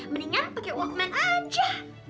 mendingan pakai workman aja